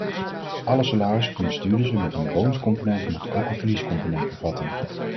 Alle salarissen van bestuurders met een bonuscomponent moeten ook een verliescomponent bevatten.